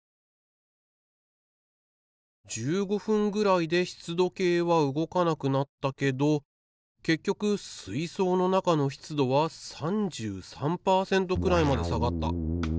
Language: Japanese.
１５分ぐらいで湿度計は動かなくなったけど結局水槽の中の湿度は３３パーセントくらいまで下がった。